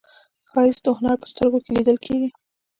ښایست د هنر په سترګو کې لیدل کېږي